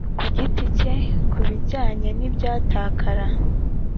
ku giti cye ku bijyanye n ibyatakara